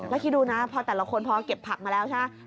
แล้วคิดดูนะพอแต่ละคนพอเก็บผักมาแล้วใช่ไหม